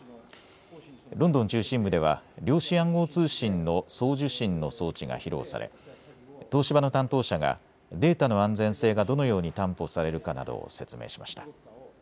ロンドン中心部では量子暗号通信の送受信の装置が披露され東芝の担当者がデータの安全性がどのように担保されるかなどを説明しました。